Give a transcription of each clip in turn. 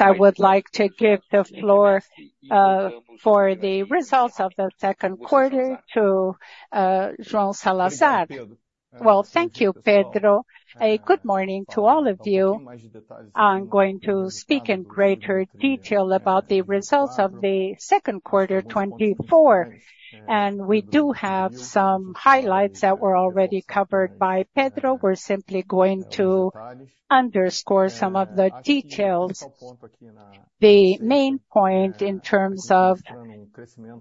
I would like to give the floor for the results of the second quarter to José Salazar. Well, thank you, Pedro. Good morning to all of you. I'm going to speak in greater detail about the results of the second quarter 2024, and we do have some highlights that were already covered by Pedro. We're simply going to underscore some of the details. The main point in terms of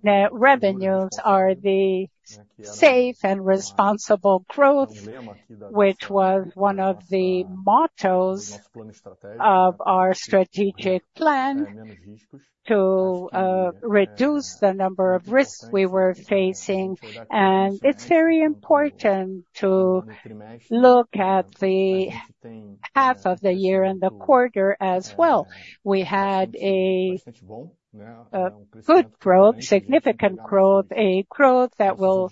net revenues are the safe and responsible growth, which was one of the mottos of our strategic plan to reduce the number of risks we were facing. It's very important to look at the half of the year and the quarter as well. We had a good growth, significant growth, a growth that will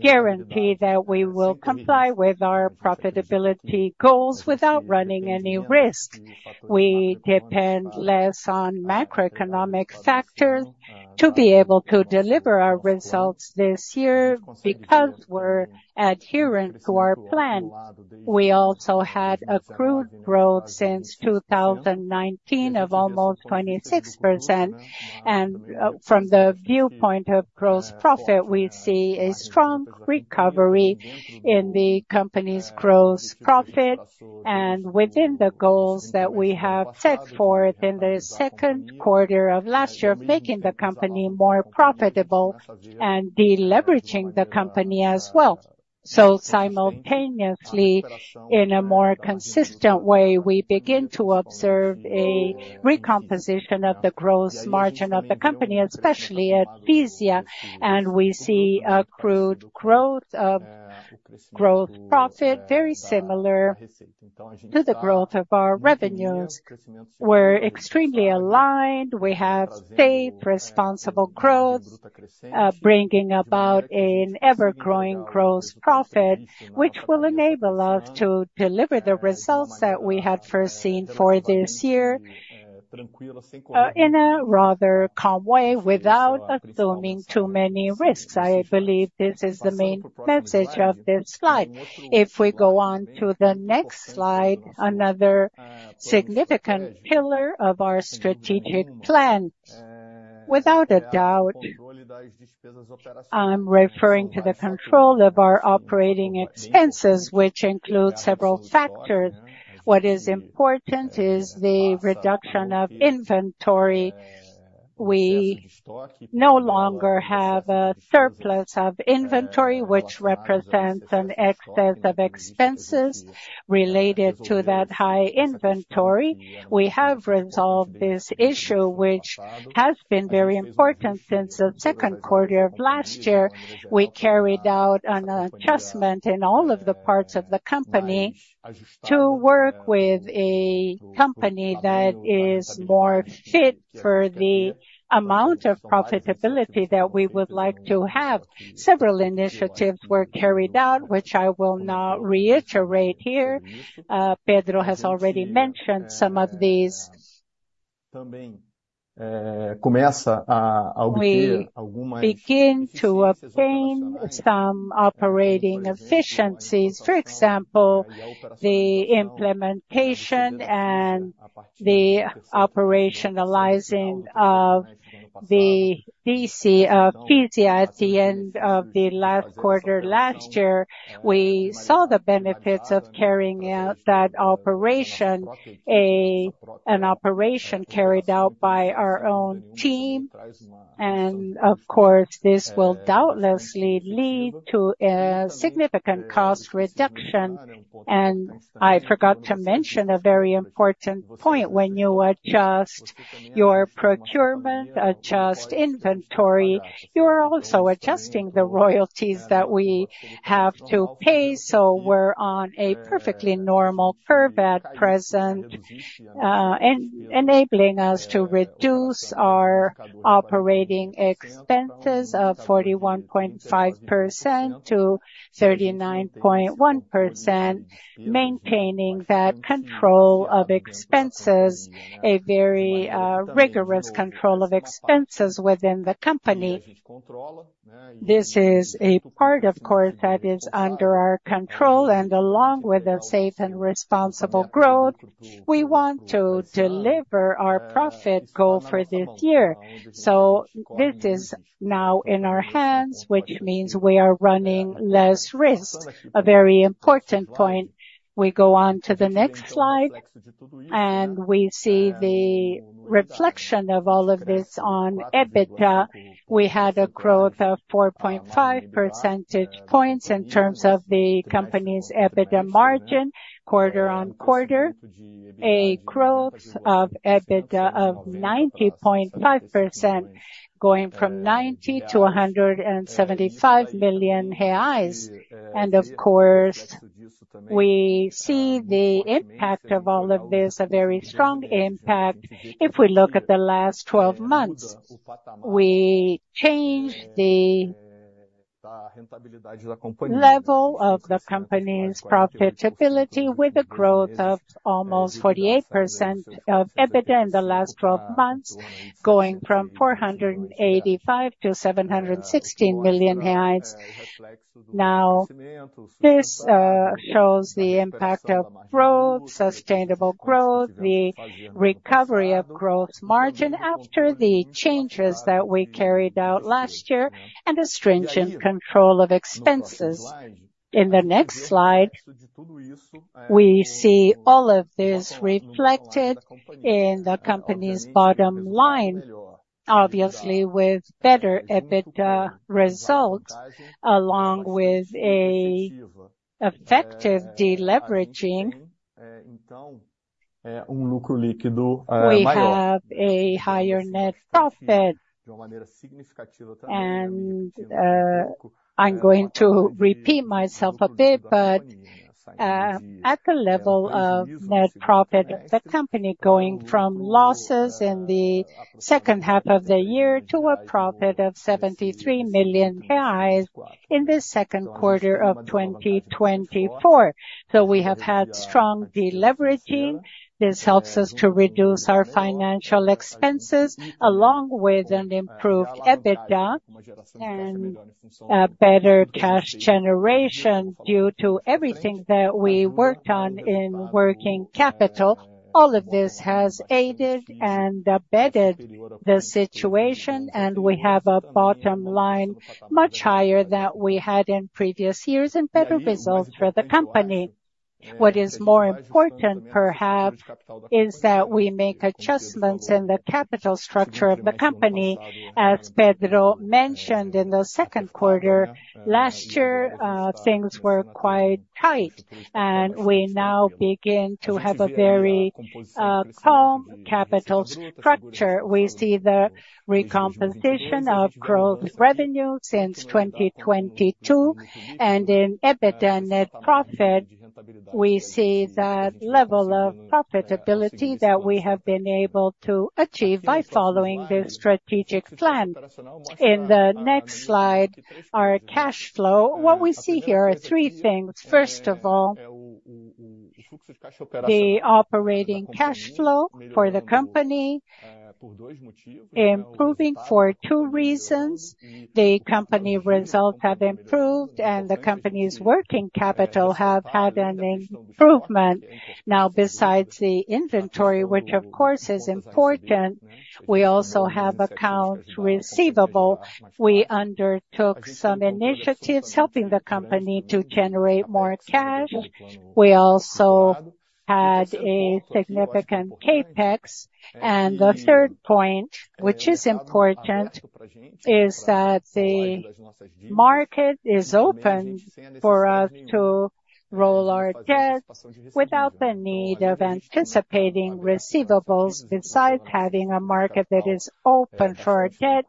guarantee that we will comply with our profitability goals without running any risk. We depend less on macroeconomic factors to be able to deliver our results this year because we're adherent to our plan. We also had a gross growth since 2019 of almost 26%. From the viewpoint of gross profit, we see a strong recovery in the company's gross profit, and within the goals that we have set forth in the second quarter of last year, making the company more profitable and de-leveraging the company as well. So simultaneously, in a more consistent way, we begin to observe a recomposition of the gross margin of the company, especially at Fisia, and we see a gross growth of gross profit, very similar to the growth of our revenues. We're extremely aligned. We have safe, responsible growth, bringing about an ever-growing gross profit, which will enable us to deliver the results that we had foreseen for this year, in a rather calm way, without assuming too many risks. I believe this is the main message of this slide. If we go on to the next slide, another significant pillar of our strategic plan, without a doubt, I'm referring to the control of our operating expenses, which includes several factors. What is important is the reduction of inventory. We no longer have a surplus of inventory, which represents an excess of expenses related to that high inventory. We have resolved this issue, which has been very important since the second quarter of last year. We carried out an adjustment in all of the parts of the company to work with a company that is more fit for the amount of profitability that we would like to have. Several initiatives were carried out, which I will not reiterate here. Pedro has already mentioned some of these. We begin to obtain some operating efficiencies, for example, the implementation and the operationalizing of the Fisia at the end of the last quarter. Last year, we saw the benefits of carrying out that operation, an operation carried out by our own team, and of course, this will doubtlessly lead to a significant cost reduction. I forgot to mention a very important point. When you adjust your procurement, adjust inventory, you are also adjusting the royalties that we have to pay, so we're on a perfectly normal curve at present, enabling us to reduce our operating expenses of 41.5% to 39.1%, maintaining that control of expenses, a very rigorous control of expenses within the company. This is a part, of course, that is under our control, and along with a safe and responsible growth, we want to deliver our profit goal for this year. So this is now in our hands, which means we are running less risk, a very important point. We go on to the next slide, and we see the reflection of all of this on EBITDA. We had a growth of 4.5 percentage points in terms of the company's EBITDA margin quarter-on-quarter, a growth of EBITDA of 90.5%, going from 90 million to 175 million reais. And of course, we see the impact of all of this, a very strong impact, if we look at the last 12 months. We changed the level of the company's profitability, with a growth of almost 48% of EBITDA in the last twelve months, going from 485 million to 716 million reais. Now, this shows the impact of growth, sustainable growth, the recovery of gross margin after the changes that we carried out last year, and a stringent control of expenses. In the next slide, we see all of this reflected in the company's bottom line. Obviously, with better EBITDA results, along with an effective deleveraging, we have a higher net profit. And, I'm going to repeat myself a bit, but, at the level of net profit, the company going from losses in the second half of the year to a profit of 73 million reais in the second quarter of 2024. So we have had strong deleveraging. This helps us to reduce our financial expenses, along with an improved EBITDA and a better cash generation, due to everything that we worked on in working capital. All of this has aided and abetted the situation, and we have a bottom line much higher than we had in previous years, and better results for the company. What is more important, perhaps, is that we make adjustments in the capital structure of the company. As Pedro mentioned, in the second quarter, last year, things were quite tight, and we now begin to have a very calm capital structure. We see the recomposition of growth revenue since 2022, and in EBITDA net profit, we see that level of profitability that we have been able to achieve by following the strategic plan. In the next slide, our cash flow. What we see here are three things. First of all, the operating cash flow for the company, improving for two reasons: the company results have improved, and the company's working capital have had an improvement. Now, besides the inventory, which of course is important, we also have accounts receivable. We undertook some initiatives helping the company to generate more cash. We also had a significant CapEx, and the third point, which is important, is that the market is open for us to roll our debt without the need of anticipating receivables. Besides having a market that is open for our debt,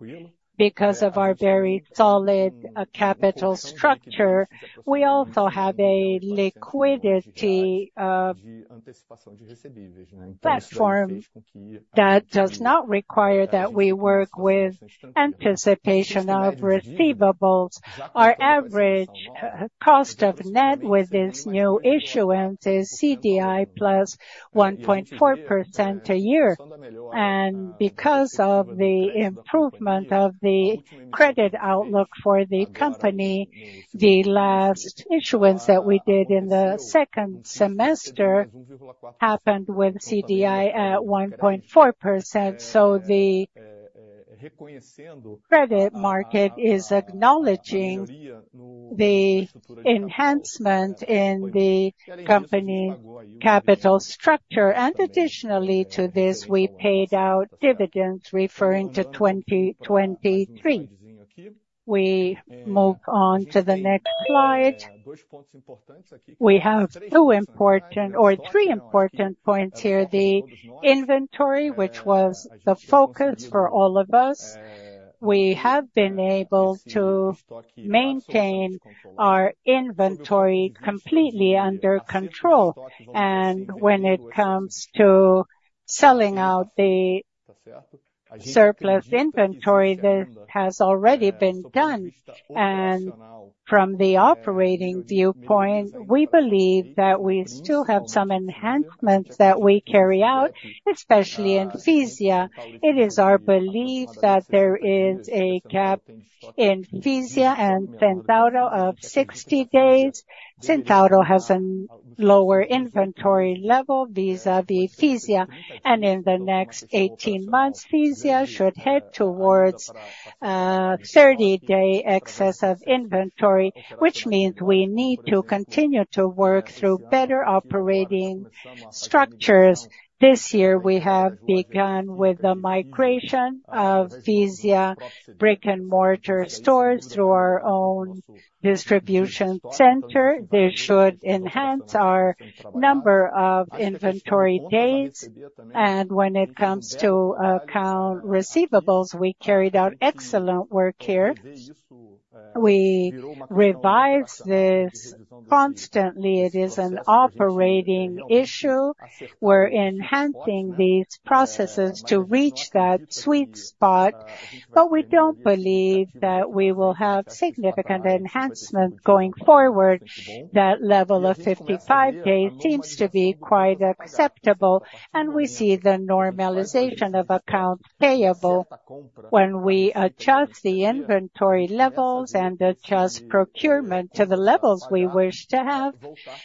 because of our very solid capital structure, we also have a liquidity platform that does not require that we work with anticipation of receivables. Our average cost of debt with this new issuance is CDI +1.4% a year. And because of the improvement of the credit outlook for the company, the last issuance that we did in the second semester happened with CDI at 1.4%. So the credit market is acknowledging the enhancement in the company capital structure. And additionally to this, we paid out dividends referring to 2023. We move on to the next slide. We have two important or three important points here. The inventory, which was the focus for all of us. We have been able to maintain our inventory completely under control. And when it comes to selling out the surplus inventory, this has already been done. And from the operating viewpoint, we believe that we still have some enhancements that we carry out, especially in Fisia. It is our belief that there is a gap in Fisia and Centauro of 60 days. Centauro has a lower inventory level vis-à-vis Fisia, and in the next 18 months, Fisia should head towards, 30-day excess of inventory, which means we need to continue to work through better operating structures. This year, we have begun with the migration of Fisia brick-and-mortar stores through our own distribution center. This should enhance our number of inventory days. And when it comes to account receivables, we carried out excellent work here. We revise this constantly. It is an operating issue. We're enhancing these processes to reach that sweet spot, but we don't believe that we will have significant enhancement going forward. That level of 55 days seems to be quite acceptable, and we see the normalization of account payable. When we adjust the inventory levels and adjust procurement to the levels we wish to have,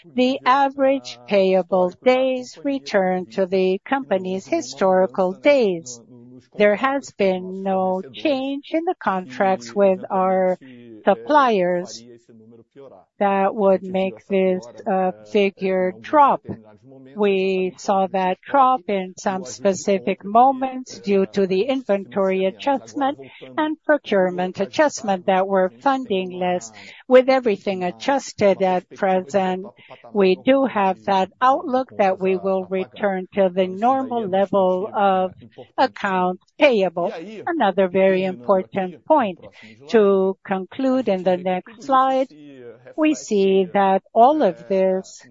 the average payable days return to the company's historical days. There has been no change in the contracts with our suppliers that would make this figure drop. We saw that drop in some specific moments due to the inventory adjustment and procurement adjustment that we're funding less. With everything adjusted at present, we do have that outlook that we will return to the normal level of accounts payable. Another very important point, to conclude in the next slide, we see that all of this is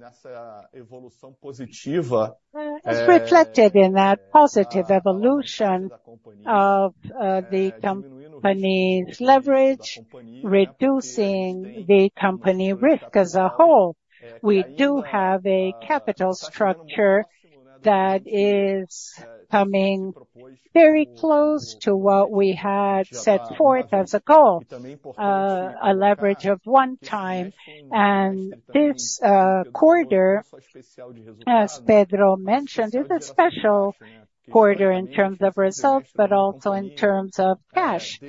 reflected in that positive evolution of the company's leverage, reducing the company risk as a whole. We do have a capital structure that is coming very close to what we had set forth as a goal, a leverage of 1x. This quarter, as Pedro mentioned, is a special quarter in terms of results, but also in terms of cash.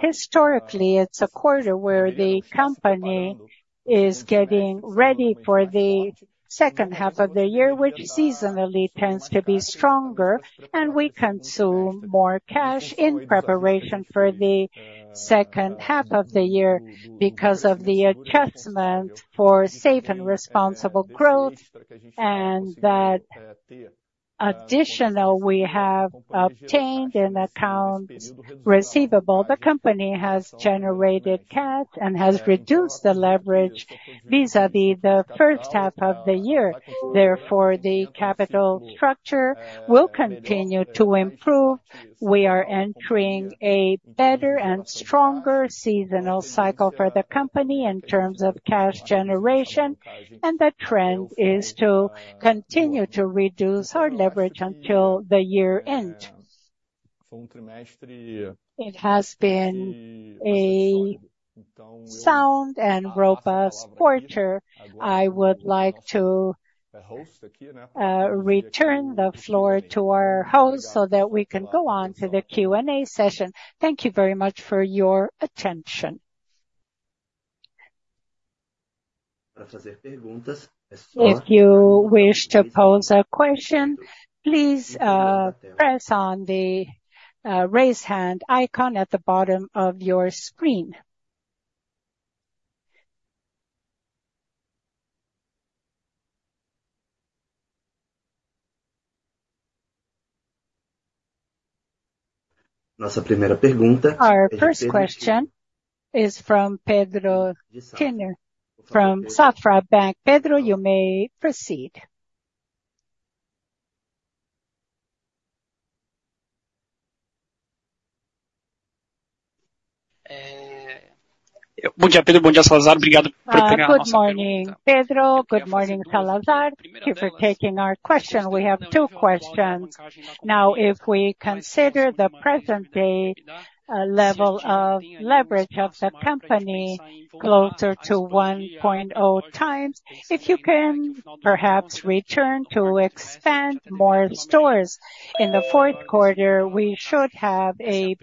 Historically, it's a quarter where the company is getting ready for the second half of the year, which seasonally tends to be stronger, and we consume more cash in preparation for the second half of the year because of the adjustment for safe and responsible growth, and that additional we have obtained in accounts receivable. The company has generated cash and has reduced the leverage vis-à-vis the first half of the year. Therefore, the capital structure will continue to improve. We are entering a better and stronger seasonal cycle for the company in terms of cash generation, and the trend is to continue to reduce our leverage until the year-end. It has been a sound and robust quarter. I would like to return the floor to our host, so that we can go on to the Q&A session. Thank you very much for your attention. If you wish to pose a question, please, press on the, raise hand icon at the bottom of your screen. Our first question is from Pedro Kineip, from Banco Safra. Pedro, you may proceed. Good morning, Pedro. Good morning, Salazar. Thank you for taking our question. We have two questions. Now, if we consider the present day, level of leverage of the company closer to 1.0x, if you can perhaps return to expand more stores. In the fourth quarter, we should have a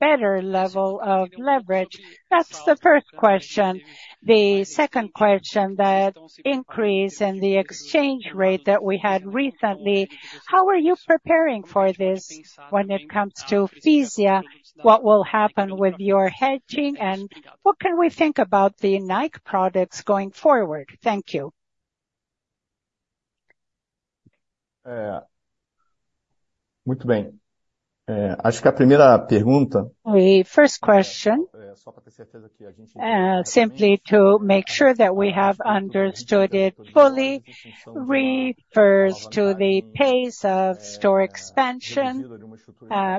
better level of leverage. That's the first question. The second question, that increase in the exchange rate that we had recently, how are you preparing for this when it comes to Fisia? What will happen with your hedging, and what can we think about the Nike products going forward? Thank you. The first question, simply to make sure that we have understood it fully, refers to the pace of store expansion,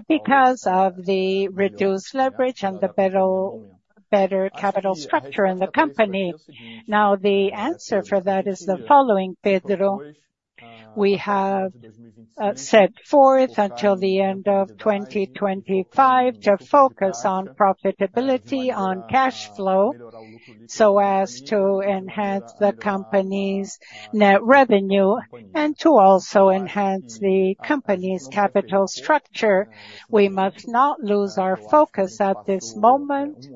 because of the reduced leverage and the better capital structure in the company. Now, the answer for that is the following, Pedro: We have set forth until the end of 2025 to focus on profitability, on cash flow, so as to enhance the company's net revenue and to also enhance the company's capital structure. We must not lose our focus at this moment.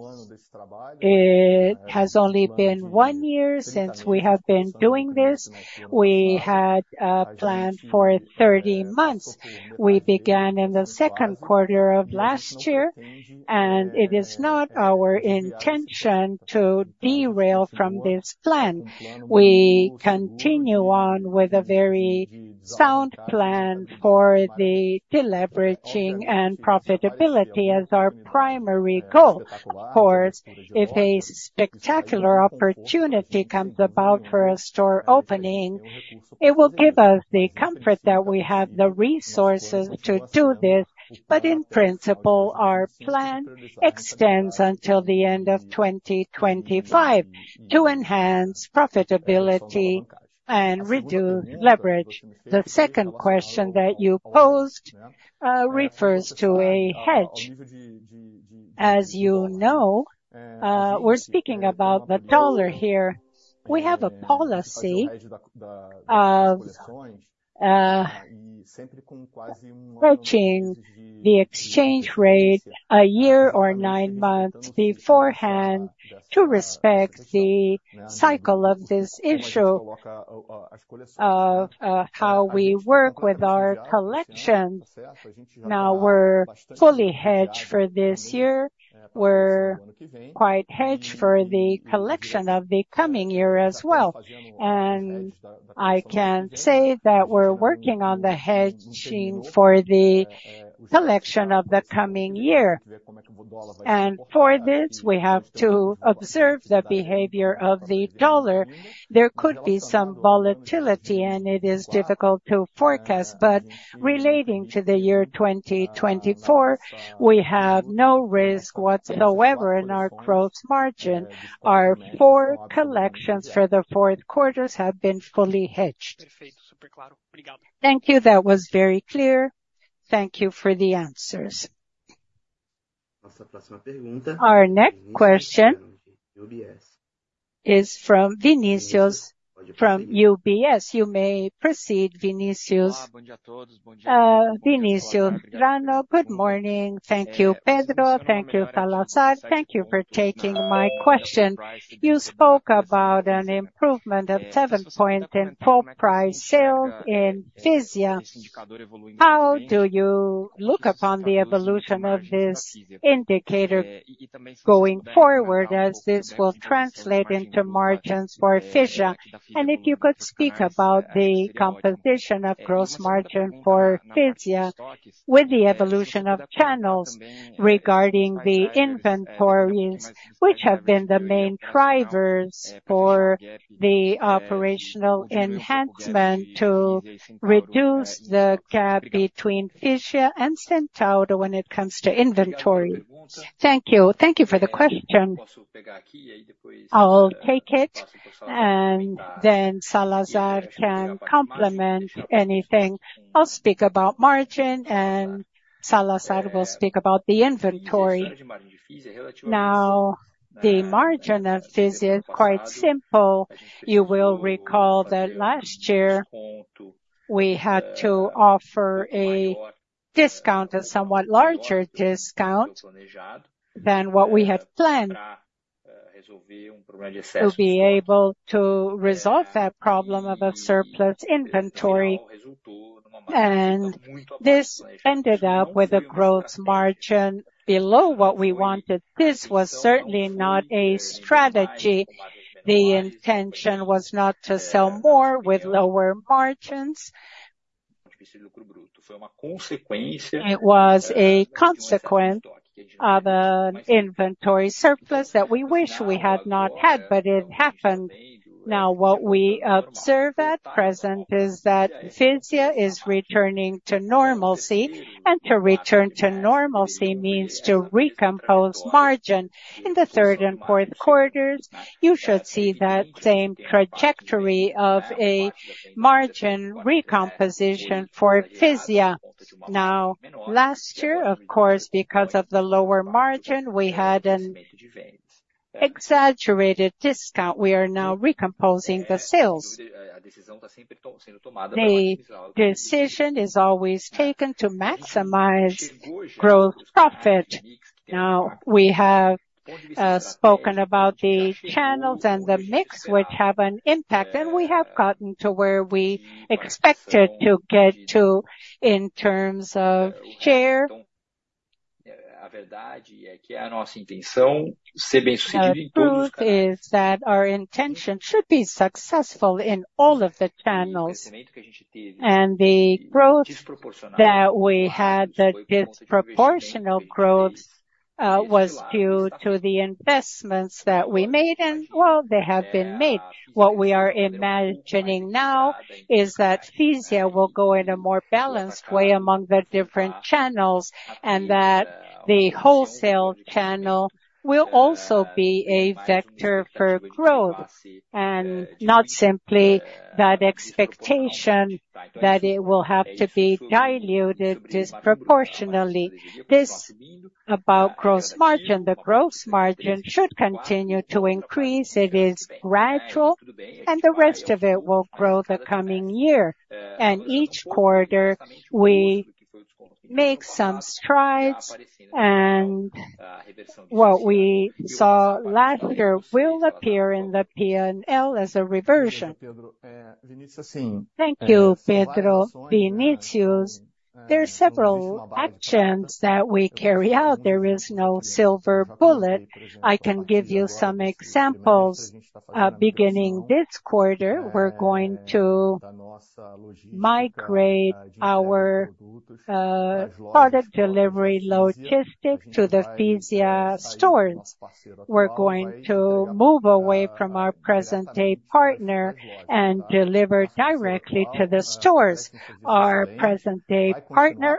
It has only been one year since we have been doing this. We had planned for 30 months. We began in the second quarter of last year, and it is not our intention to derail from this plan. We continue on with a very sound plan for the deleveraging and profitability as our primary goal. Of course, if a spectacular opportunity comes about for a store opening, it will give us the comfort that we have the resources to do this, but in principle, our plan extends until the end of 2025 to enhance profitability and reduce leverage. The second question that you posed refers to a hedge. As you know, we're speaking about the dollar here. We have a policy of approaching the exchange rate a year or nine months beforehand to respect the cycle of this issue, of how we work with our collection. Now, we're fully hedged for this year. We're quite hedged for the collection of the coming year as well, and I can say that we're working on the hedging for the collection of the coming year. And for this, we have to observe the behavior of the dollar. There could be some volatility, and it is difficult to forecast, but relating to the year 2024, we have no risk whatsoever in our gross margin. Our four collections for the fourth quarter have been fully hedged. Thank you. That was very clear. Thank you for the answers. Our next question is from Vinicius, from UBS. You may proceed, Vinicius. Vinicius Bueno, good morning. Thank you, Pedro. Thank you, Salazar. Thank you for taking my question. You spoke about an improvement of seven-point in full price sale in Fisia. How do you look upon the evolution of this indicator going forward, as this will translate into margins for Fisia? And if you could speak about the composition of gross margin for Fisia with the evolution of channels regarding the inventories, which have been the main drivers for the operational enhancement to reduce the gap between Fisia and Centauro when it comes to inventory. Thank you. Thank you for the question. I'll take it, and then Salazar can complement anything. I'll speak about margin, and Salazar will speak about the inventory. Now, the margin of Fisia is quite simple. You will recall that last year, we had to offer a discount, a somewhat larger discount than what we had planned, to be able to resolve that problem of a surplus inventory, and this ended up with a gross margin below what we wanted. This was certainly not a strategy. The intention was not to sell more with lower margins. It was a consequent of an inventory surplus that we wish we had not had, but it happened. Now, what we observe at present is that Fisia is returning to normalcy, and to return to normalcy means to recompose margin. In the third and fourth quarters, you should see that same trajectory of a margin recomposition for Fisia. Now, last year, of course, because of the lower margin, we had an exaggerated discount. We are now recomposing the sales. The decision is always taken to maximize growth profit. Now, we have spoken about the channels and the mix, which have an impact, and we have gotten to where we expected to get to in terms of share. Truth is that our intention should be successful in all of the channels, and the growth that we had, the disproportional growth, was due to the investments that we made, and well, they have been made. What we are imagining now is that Fisia will go in a more balanced way among the different channels, and that the wholesale channel will also be a vector for growth, and not simply that expectation that it will have to be diluted disproportionately. This about gross margin, the gross margin should continue to increase. It is gradual, and the rest of it will grow the coming year. Each quarter, we make some strides, and what we saw last year will appear in the P&L as a reversion. Thank you, Pedro Vinicius. There are several actions that we carry out. There is no silver bullet. I can give you some examples. Beginning this quarter, we're going to migrate our product delivery logistics to the Fisia stores. We're going to move away from our present-day partner and deliver directly to the stores. Our present-day partner,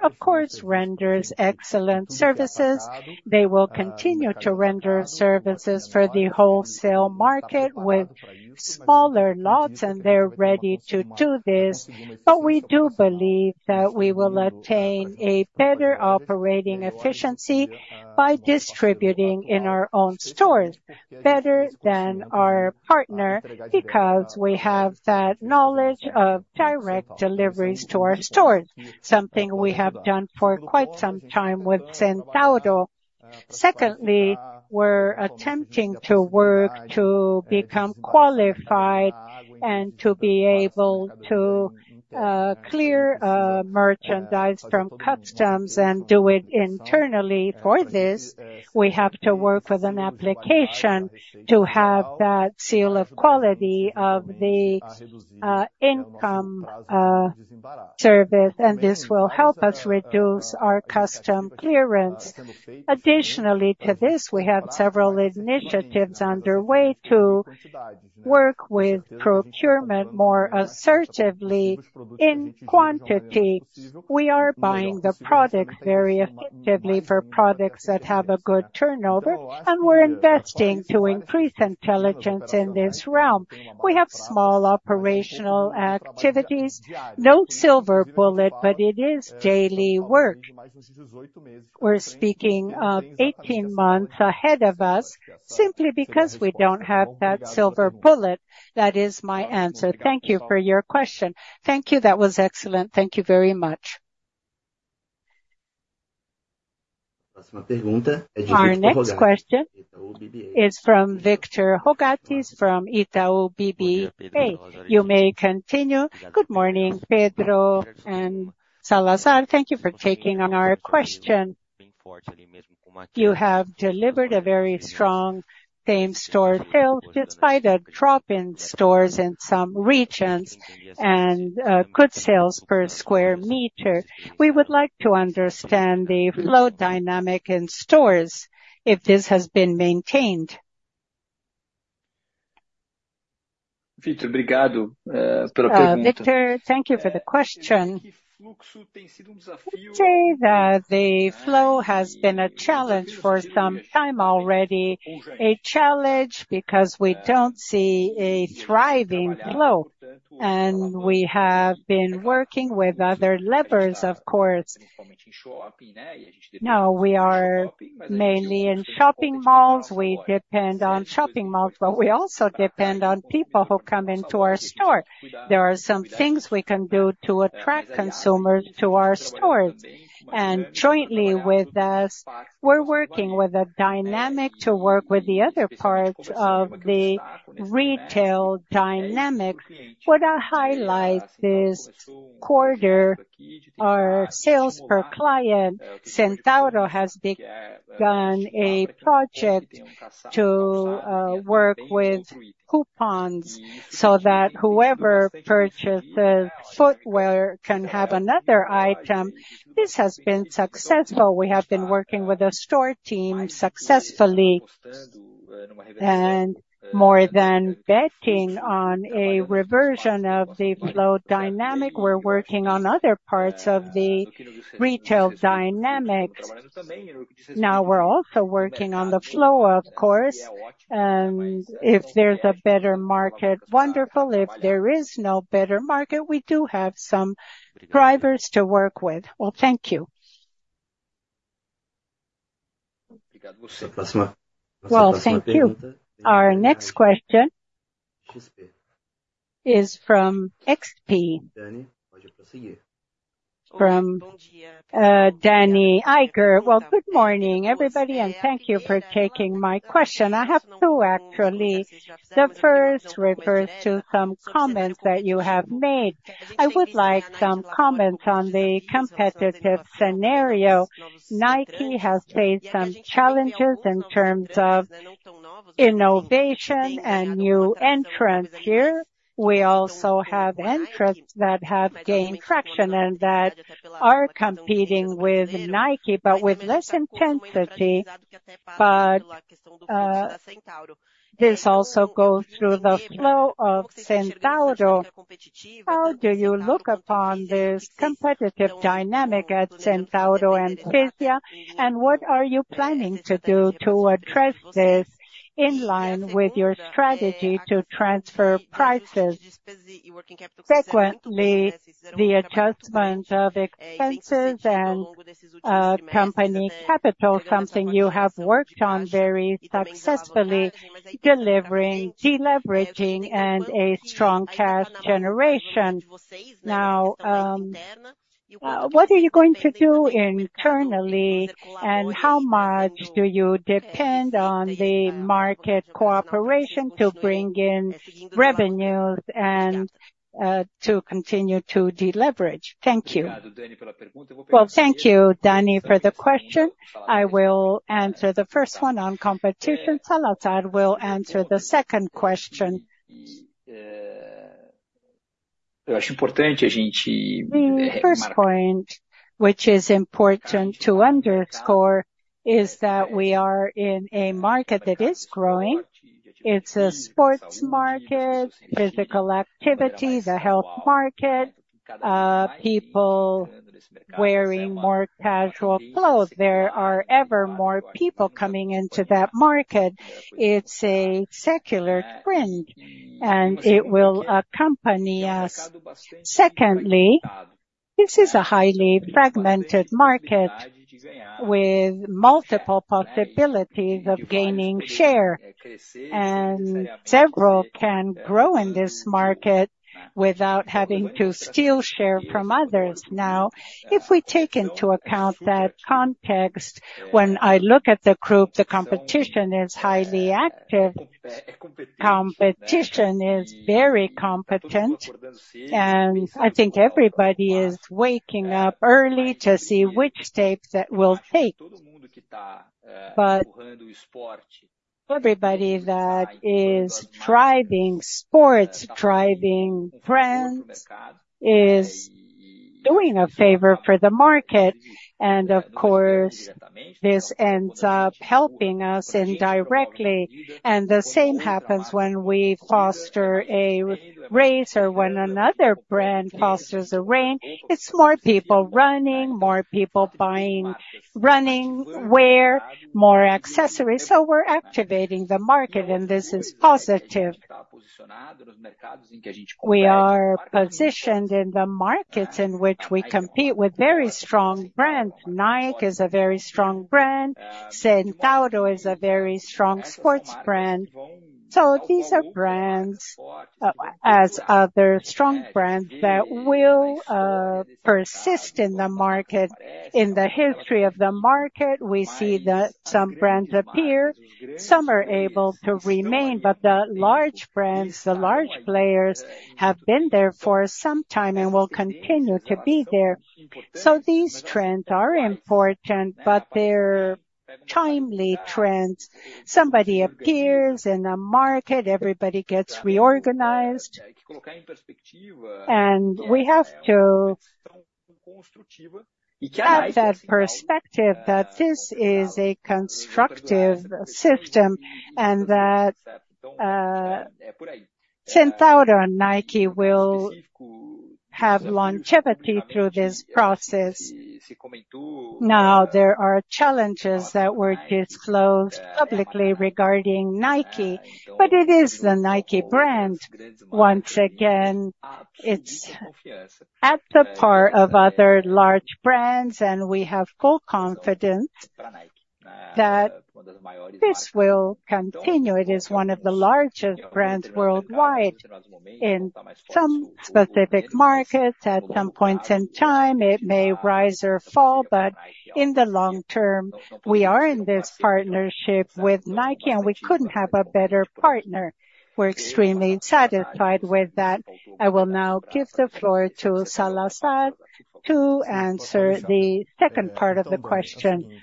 of course, renders excellent services. They will continue to render services for the wholesale market with smaller lots, and they're ready to do this. But we do believe that we will attain a better operating efficiency by distributing in our own stores, better than our partner, because we have that knowledge of direct deliveries to our stores, something we have done for quite some time with Centauro. Secondly, we're attempting to work to become qualified and to be able to clear merchandise from customs and do it internally. For this, we have to work with an application to have that seal of quality of the import service, and this will help us reduce our customs clearance. Additionally to this, we have several initiatives underway to work with procurement more assertively in quantity. We are buying the product very effectively for products that have a good turnover, and we're investing to increase intelligence in this realm. We have small operational activities, no silver bullet, but it is daily work. We're speaking of 18 months ahead of us, simply because we don't have that silver bullet. That is my answer. Thank you for your question. Thank you. That was excellent. Thank you very much. Our next question is from Victor Hugo Gaiotti from Itaú BBA. You may continue. Good morning, Pedro and Salazar. Thank you for taking on our question. You have delivered a very strong same-store sales, despite a drop in stores in some regions and good sales per square meter. We would like to understand the flow dynamic in stores, if this has been maintained. Victor, thank you for the question. I would say that the flow has been a challenge for some time already. A challenge because we don't see a thriving flow, and we have been working with other levers, of course. Now, we are mainly in shopping malls. We depend on shopping malls, but we also depend on people who come into our store. There are some things we can do to attract consumers to our stores, and jointly with us, we're working with a dynamic to work with the other parts of the retail dynamics. What I highlight this quarter, our sales per client, Centauro, has begun a project to work with coupons, so that whoever purchases footwear can have another item. This has been successful. We have been working with the store team successfully, and more than betting on a reversion of the flow dynamic, we're working on other parts of the retail dynamics. Now, we're also working on the flow, of course, and if there's a better market, wonderful. If there is no better market, we do have some drivers to work with. Well, thank you. Well, thank you. Our next question is from XP, from Dani Eiger. Well, good morning, everybody, and thank you for taking my question. I have two, actually. The first refers to some comments that you have made. I would like some comments on the competitive scenario. Nike has faced some challenges in terms of innovation and new entrants here. We also have entrants that have gained traction and that are competing with Nike, but with less intensity. But, this also goes through the flow of Centauro. How do you look upon this competitive dynamic at Centauro and Fisia, and what are you planning to do to address this in line with your strategy to transfer prices? Frequently, the adjustment of expenses and, company capital, something you have worked on very successfully, delivering, deleveraging and a strong cash generation. Now, what are you going to do internally, and how much do you depend on the market cooperation to bring in revenues and, to continue to deleverage? Thank you. Well, thank you, Danny, for the question. I will answer the first one on competition. Salazar will answer the second question. The first point, which is important to underscore, is that we are in a market that is growing. It's a sports market, physical activity, the health market, people wearing more casual clothes. There are ever more people coming into that market. It's a secular trend, and it will accompany us. Secondly, this is a highly fragmented market with multiple possibilities of gaining share, and several can grow in this market without having to steal share from others. Now, if we take into account that context, when I look at the group, the competition is highly active. Competition is very competent, and I think everybody is waking up early to see which steps it will take. But everybody that is driving sports, driving brands, is doing a favor for the market and of course, this ends up helping us indirectly. The same happens when we foster a race or when another brand fosters a race. It's more people running, more people buying running wear, more accessories. So we're activating the market, and this is positive. We are positioned in the markets in which we compete with very strong brand. Nike is a very strong brand. Centauro is a very strong sports brand. So these are brands, as other strong brands that will persist in the market. In the history of the market, we see that some brands appear, some are able to remain, but the large brands, the large players, have been there for some time and will continue to be there. So these trends are important, but they're timely trends. Somebody appears in a market, everybody gets reorganized, and we have to have that perspective that this is a constructive system, and that, Centauro and Nike will have longevity through this process. Now, there are challenges that were disclosed publicly regarding Nike, but it is the Nike brand. Once again, it's at the part of other large brands, and we have full confidence that this will continue. It is one of the largest brands worldwide. In some specific markets, at some points in time, it may rise or fall, but in the long term, we are in this partnership with Nike, and we couldn't have a better partner. We're extremely satisfied with that. I will now give the floor to Salazar to answer the second part of the question.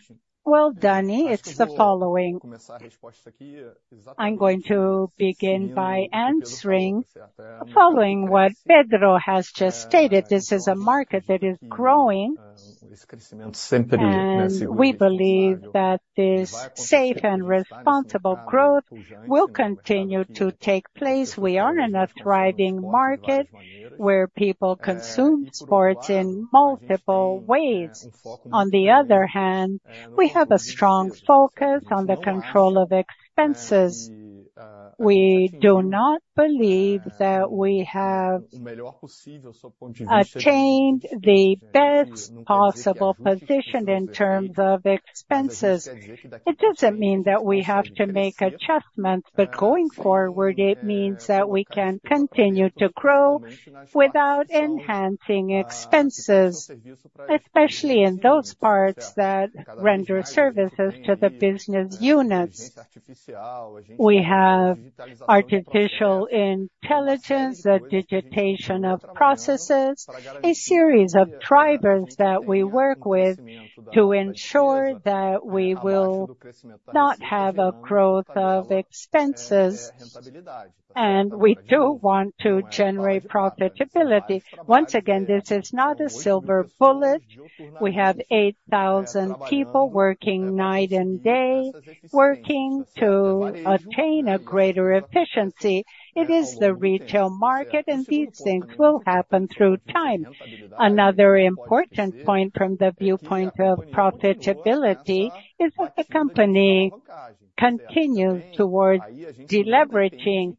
Well, Danny, it's the following. I'm going to begin by answering, following what Pedro has just stated, this is a market that is growing. We believe that this safe and responsible growth will continue to take place. We are in a thriving market where people consume sports in multiple ways. On the other hand, we have a strong focus on the control of expenses. We do not believe that we have changed the best possible position in terms of expenses. It doesn't mean that we have to make adjustments, but going forward, it means that we can continue to grow without enhancing expenses, especially in those parts that render services to the business units. We have artificial intelligence, the digitization of processes, a series of drivers that we work with to ensure that we will not have a growth of expenses, and we do want to generate profitability. Once again, this is not a silver bullet. We have 8,000 people working night and day, working to attain a greater efficiency. It is the retail market, and these things will happen through time. Another important point from the viewpoint of profitability is that the company continues towards deleveraging.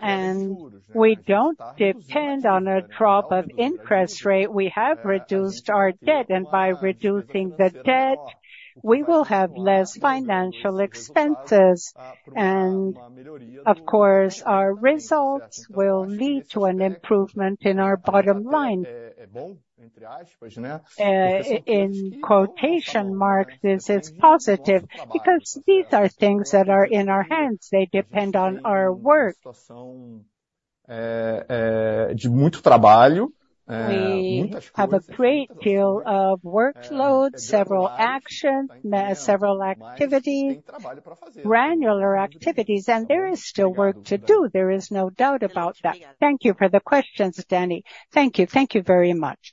And we don't depend on a drop of interest rate. We have reduced our debt, and by reducing the debt, we will have less financial expenses. And of course, our results will lead to an improvement in our bottom line. In quotation mark, this is positive, because these are things that are in our hands, they depend on our work. We have a great deal of workload, several action, several activity, granular activities, and there is still work to do. There is no doubt about that. Thank you for the questions, Danny. Thank you. Thank you very much.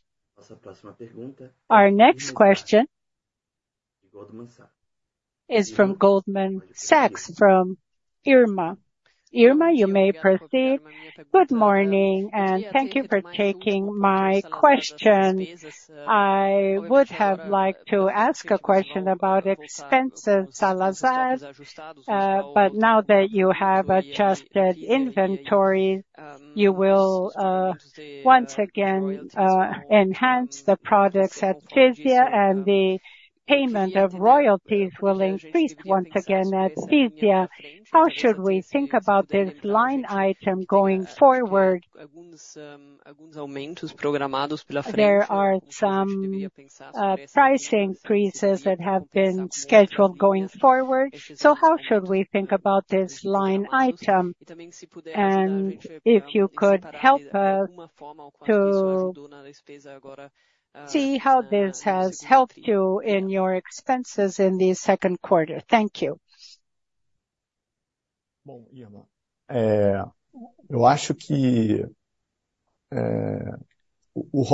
Our next question is from Goldman Sachs, from Irma. Irma, you may proceed. Good morning, and thank you for taking my question. I would have liked to ask a question about expenses, Salazar, but now that you have adjusted inventory, you will once again enhance the products at Fisia, and the payment of royalties will increase once again at Fisia. How should we think about this line item going forward? There are some price increases that have been scheduled going forward, so how should we think about this line item? And if you could help us to see how this has helped you in your expenses in the second quarter. Thank you. Well,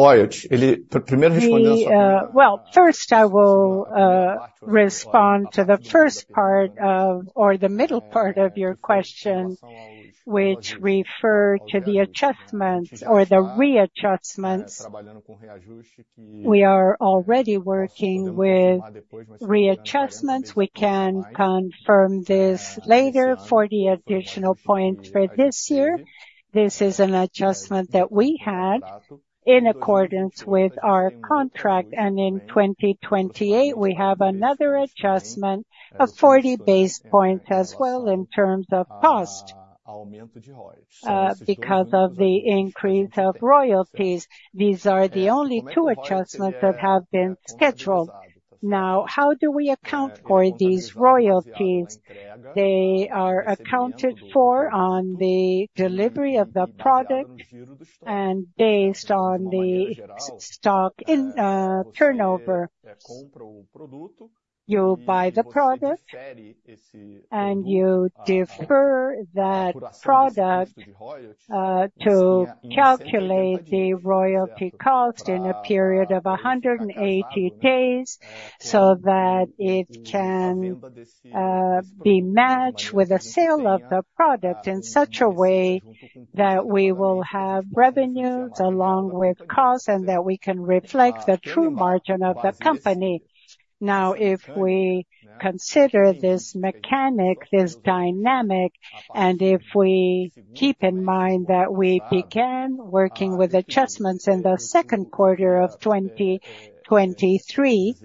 first I will respond to the first part of, or the middle part of your question, which refer to the adjustments or the readjustments. We are already working with readjustments. We can confirm this later for the additional point for this year. This is an adjustment that we had in accordance with our contract, and in 2028, we have another adjustment of 40 basis points as well, in terms of cost, because of the increase of royalties. These are the only two adjustments that have been scheduled. Now, how do we account for these royalties? They are accounted for on the delivery of the product and based on the stock in turnover. You buy the product, and you defer that product to calculate the royalty cost in a period of 180 days, so that it can be matched with the sale of the product in such a way that we will have revenues along with costs, and that we can reflect the true margin of the company. Now, if we consider this mechanic, this dynamic, and if we keep in mind that we began working with adjustments in the second quarter of 2023,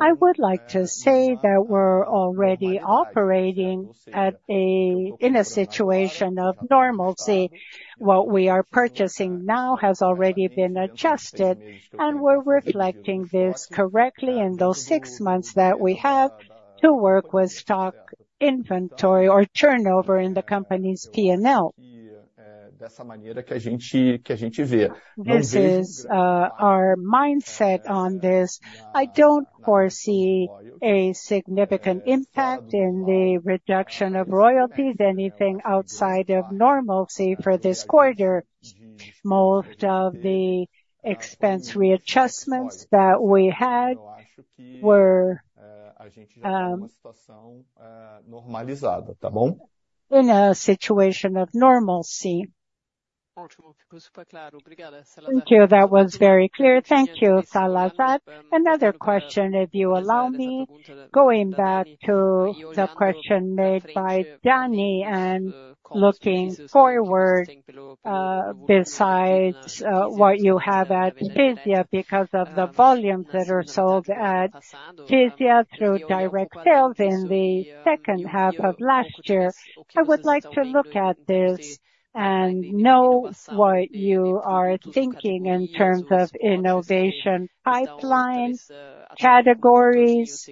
I would like to say that we're already operating at a, in a situation of normalcy. What we are purchasing now has already been adjusted, and we're reflecting this correctly in those six months that we have to work with stock inventory or turnover in the company's P&L. This is our mindset on this. I don't foresee a significant impact in the reduction of royalties, anything outside of normalcy for this quarter. Most of the expense readjustments that we had were in a situation of normalcy. Thank you. That was very clear. Thank you, Salazar. Another question, if you allow me, going back to the question made by Danny, and looking forward, besides what you have at Fisia, because of the volumes that are sold at Fisia through direct sales in the second half of last year. I would like to look at this and know what you are thinking in terms of innovation pipeline, categories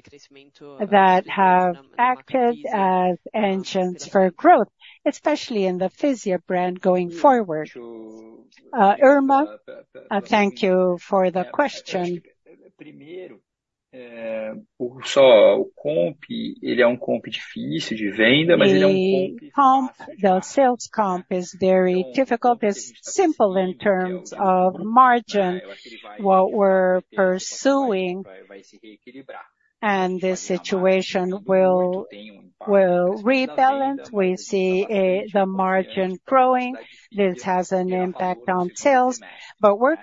that have acted as engines for growth, especially in the Fisia brand going forward. Irma, thank you for the question. The comp, the sales comp is very difficult. It's simple in terms of margin, what we're pursuing, and this situation will rebalance. We see the margin growing. This has an impact on sales, but we're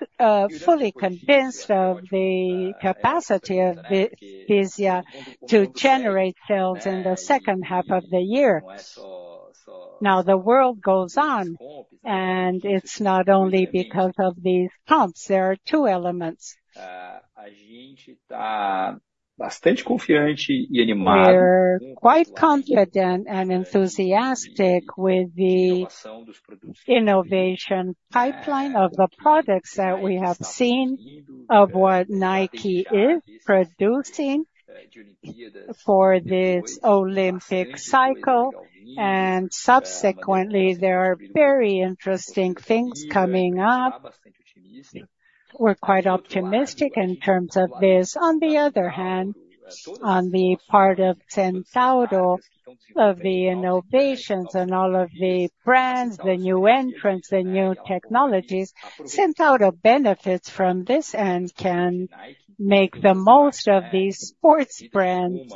fully convinced of the capacity of Fisia to generate sales in the second half of the year. Now, the world goes on, and it's not only because of these comps, there are two elements. We're quite confident and enthusiastic with the innovation pipeline of the products that we have seen, of what Nike is producing for this Olympic cycle, and subsequently, there are very interesting things coming up. We're quite optimistic in terms of this. On the other hand, on the part of Centauro, of the innovations and all of the brands, the new entrants, the new technologies, Centauro benefits from this and can make the most of these sports brands.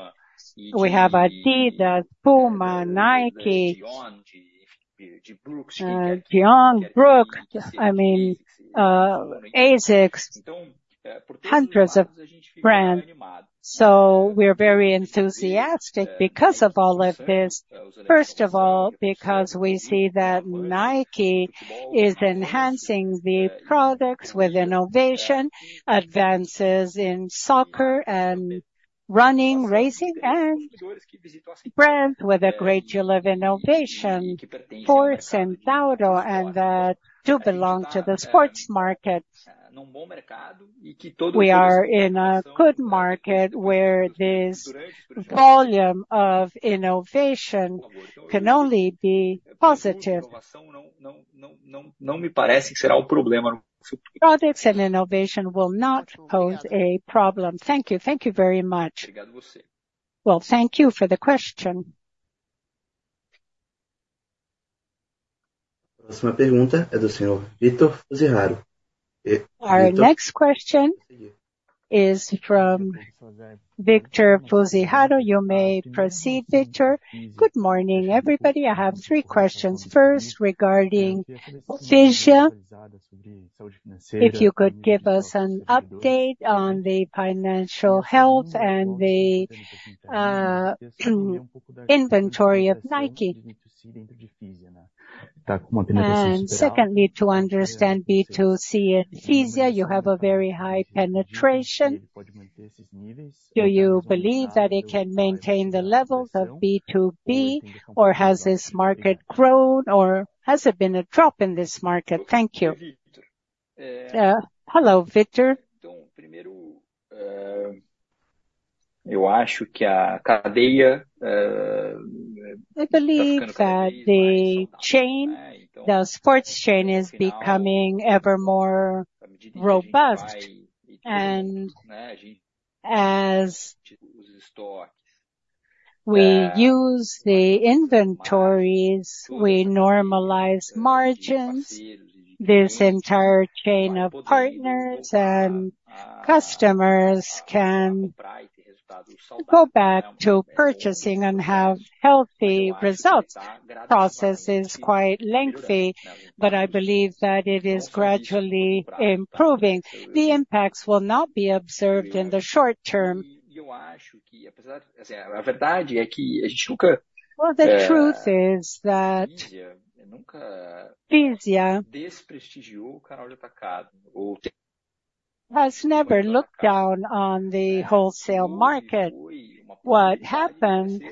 We have Adidas, Puma, Nike, Diadora, Brooks, I mean, Asics, hundreds of brands. So we're very enthusiastic because of all of this. First of all, because we see that Nike is enhancing the products with innovation, advances in soccer and running, racing, and brand, with a great deal of innovation. For Centauro, and that do belong to the sports market. We are in a good market where this volume of innovation can only be positive. Products and innovation will not pose a problem. Thank you. Thank you very much. Well, thank you for the question. Our next question is from Victor Fuzihara. You may proceed, Victor. Good morning, everybody. I have three questions. First, regarding Fisia, if you could give us an update on the financial health and the inventory of Nike. And secondly, to understand B2C Fisia, you have a very high penetration. Do you believe that it can maintain the levels of B2B, or has this market grown, or has there been a drop in this market? Thank you. Hello, Victor. I believe that the chain, the sports chain is becoming ever more robust, and as we use the inventories, we normalize margins. This entire chain of partners and customers can go back to purchasing and have healthy results. Process is quite lengthy, but I believe that it is gradually improving. The impacts will not be observed in the short term. Well, the truth is that Fisia has never looked down on the wholesale market. What happened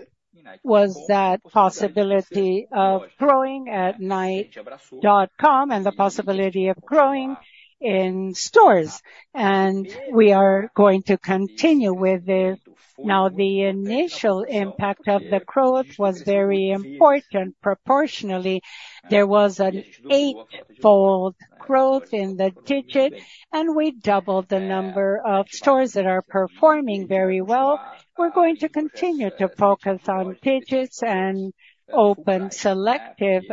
was that possibility of growing at Nike.com and the possibility of growing in stores, and we are going to continue with this. Now, the initial impact of the growth was very important. Proportionally, there was an eightfold growth in the digital, and we doubled the number of stores that are performing very well. We're going to continue to focus on digital and open selective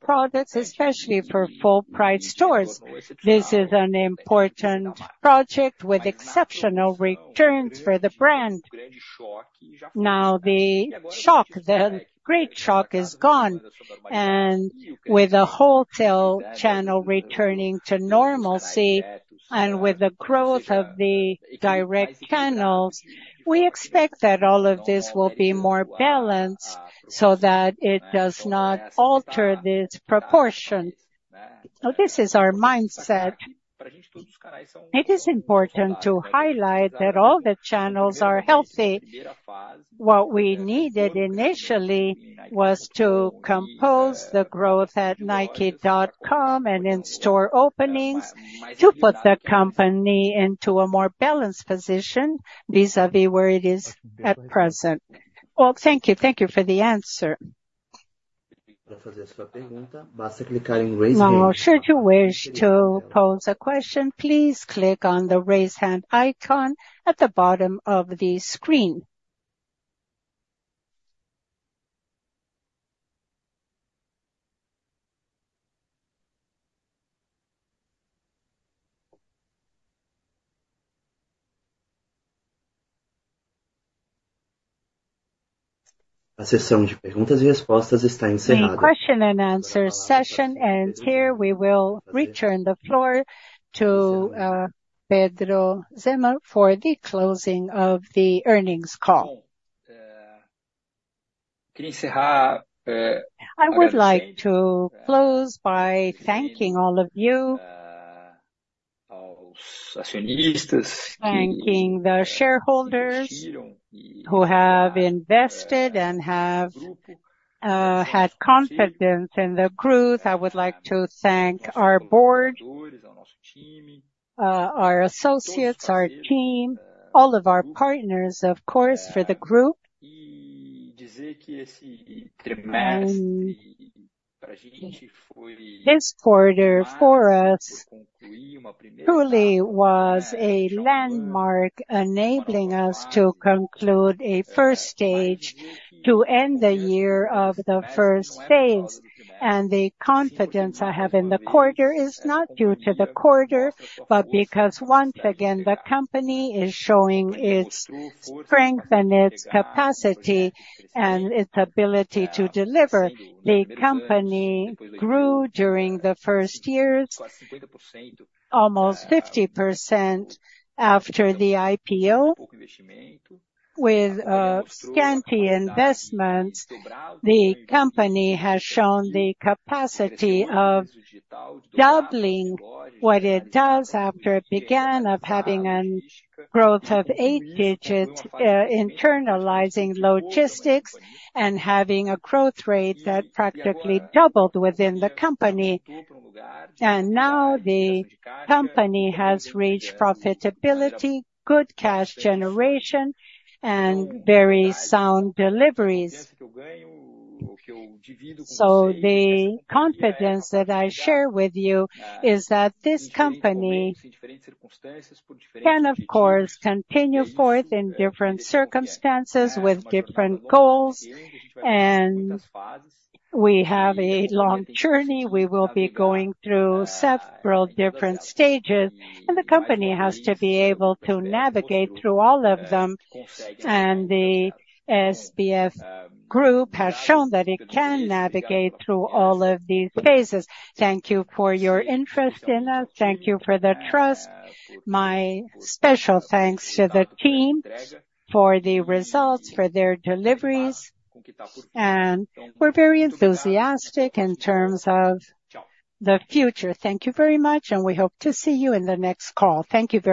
products, especially for full price stores. This is an important project with exceptional returns for the brand. Now, the shock, the great shock is gone, and with the wholesale channel returning to normalcy, and with the growth of the direct channels, we expect that all of this will be more balanced so that it does not alter this proportion. So this is our mindset. It is important to highlight that all the channels are healthy. What we needed initially was to compose the growth at Nike.com and in-store openings to put the company into a more balanced position, vis-à-vis where it is at present. Well, thank you. Thank you for the answer. Now, should you wish to pose a question, please click on the Raise Hand icon at the bottom of the screen. The question and answer session ends here. We will return the floor to Pedro Zannoni for the closing of the earnings call... I would like to close by thanking all of you, thanking the shareholders who have invested and have had confidence in the group. I would like to thank our board, our associates, our team, all of our partners, of course, for the group. This quarter for us truly was a landmark, enabling us to conclude a first stage to end the year of the first phase. The confidence I have in the quarter is not due to the quarter, but because once again, the company is showing its strength and its capacity, and its ability to deliver. The company grew during the first years, almost 50% after the IPO. With scanty investments, the company has shown the capacity of doubling what it does after it began, of having a growth of eight digits, internalizing logistics and having a growth rate that practically doubled within the company. And now the company has reached profitability, good cash generation, and very sound deliveries. So the confidence that I share with you is that this company can, of course, continue forth in different circumstances with different goals, and we have a long journey. We will be going through several different stages, and the company has to be able to navigate through all of them, and the SBF Group has shown that it can navigate through all of these phases. Thank you for your interest in us. Thank you for the trust. My special thanks to the team for the results, for their deliveries, and we're very enthusiastic in terms of the future. Thank you very much, and we hope to see you in the next call. Thank you very much!